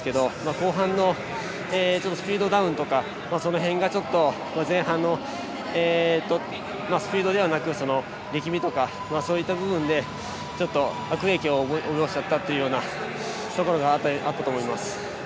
後半のスピードダウンとかその辺がちょっと前半のスピードではなく力みとかそういった部分で悪影響を及ぼしたというところがあったと思います。